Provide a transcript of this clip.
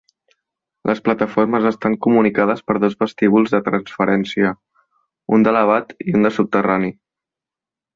Les plataformes estan comunicades per dos vestíbuls de transferència, un d'elevat i un de subterrani.